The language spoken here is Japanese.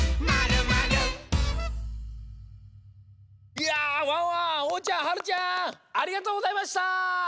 いやワンワンおうちゃんはるちゃんありがとうございました！